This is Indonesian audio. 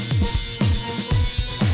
tujuh dua bulan